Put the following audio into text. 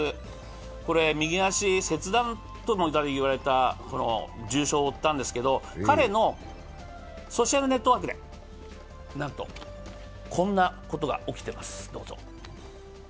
これ、右足切断ともいわれた重傷を負ったんですけど、彼のソーシャルネットワークでなんとこんなことが起きてます。